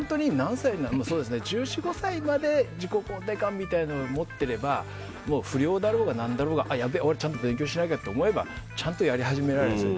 １４１５歳までに自己肯定感みたいなものを持っていれば不良だろうが何だろうがやべえ、俺ちゃんと勉強しなきゃと思えばちゃんとやり始められるんです